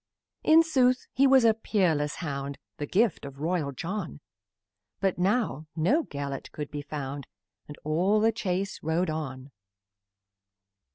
In sooth, he was a peerless hound, The gift of royal John, But now no Gelert could be found, And all the chase rode on.